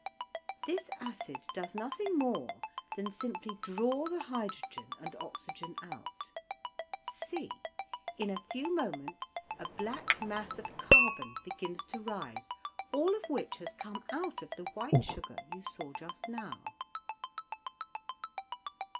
This acid does nothing more than simply draw the hydrogen and oxygen out. See! in a few moments a black mass of carbon begins to rise, all of which has come out of the white sugar you saw just now.